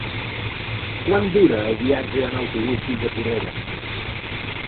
Quant dura el viatge en autobús fins a Porreres?